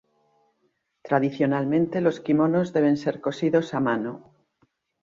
Tradicionalmente los kimonos deben ser cosidos a mano.